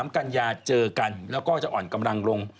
๑๓กันยาเจอกันแล้วอ่อนกำลังลง